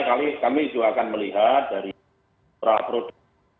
jadi kami juga akan melihat dari praproduksi